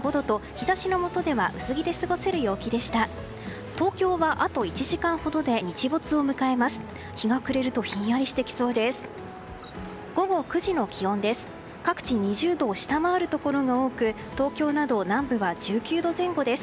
日が暮れるとひんやりしてきそうです。